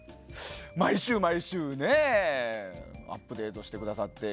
毎週、毎週アップデートしてくださって。